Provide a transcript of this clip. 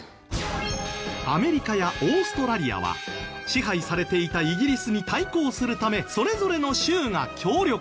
アメリカやオーストラリアは支配されていたイギリスに対抗するためそれぞれの州が協力。